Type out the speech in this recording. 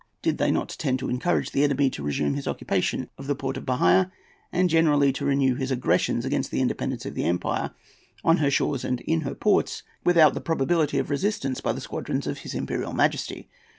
Did they not tend to encourage the enemy to resume his occupation of the port of Bahia, and generally to renew his aggressions against the independence of the empire on her shores and in her ports without the probability of resistance by the squadrons of his Imperial Majesty?